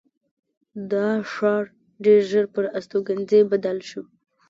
دا ښار ډېر ژر پر استوګنځي بدل شو.